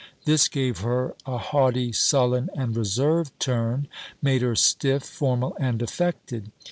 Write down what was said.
This gave her a haughty, sullen, and reserved turn; made her stiff, formal, and affected.